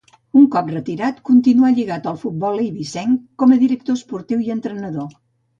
Un cop retirat continuà lligat al futbol eivissenc, com a director esportiu i entrenador.